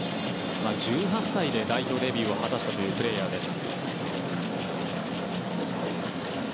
１８歳で代表デビューを果たしたプレーヤーです。